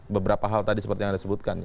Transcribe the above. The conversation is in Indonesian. beberapa hal tadi seperti yang anda sebutkan